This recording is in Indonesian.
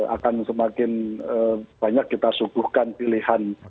akan semakin banyak kita suguhkan pilihan